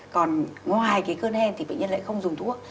còn ngoài cái cơn hen thì bệnh nhân lại không dùng thuốc